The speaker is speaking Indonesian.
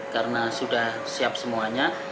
karena sudah siap semuanya